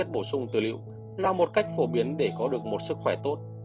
nước ép liệu phổ sung từ liệu là một cách phổ biến để có được một sức khỏe tốt